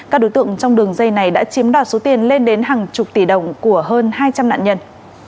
các đối tượng trong đường dây này đã chiếm đoạt số tiền lên đến hàng chục tỷ đồng của hơn hai trăm linh nạn nhân